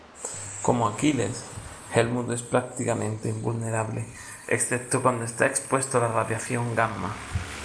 Como Aquiles, Helmut es prácticamente invulnerable, excepto cuando está expuesto a la radiación gamma.